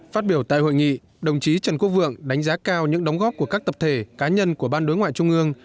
phát biểu tại hội nghị đồng chí trần quốc vượng đánh giá cao những đóng góp của các tập thể cá nhân của ban đối ngoại trung ương